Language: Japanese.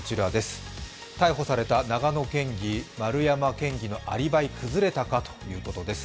逮捕された長野県議丸山県議のアリバイ崩れたかということです。